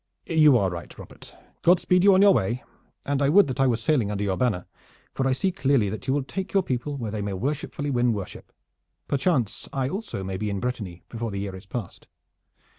"You are right, Robert. God speed you on your way! And I would that I were sailing under your banner, for I see clearly that you will take your people where they may worshipfully win worship. Perchance I also maybe in Brittany before the year is past."